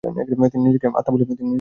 তিনি নিজেকে আত্মা বলিয়াই জানিতেন।